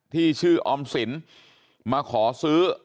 ที่ชื่อออมสินมาขอซื้อ